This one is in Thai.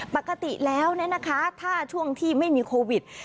ปกติแล้วถ้าช่วงที่ไม่มีโควิด